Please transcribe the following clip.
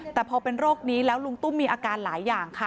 แต่พอเป็นโรคนี้แล้วลุงตุ้มมีอาการหลายอย่างค่ะ